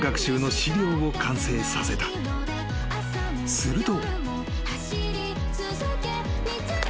［すると］